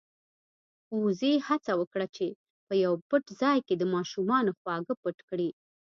وزې هڅه وکړه چې په يو پټ ځای کې د ماشومانو خواږه پټ کړي.